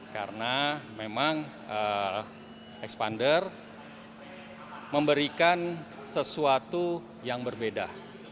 karena memang expander memberikan sesuatu yang berbeda